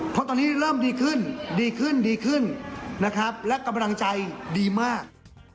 เพราะตอนนี้เริ่มดีขึ้นดีขึ้นดีขึ้นนะครับและกำลังใจดีมาก